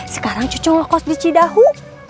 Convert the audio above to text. sekarang cucu longkos di cidahu